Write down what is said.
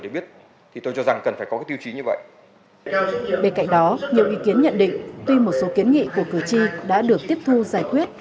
bên cạnh đó nhiều ý kiến nhận định tuy một số kiến nghị của cử tri đã được tiếp thu giải quyết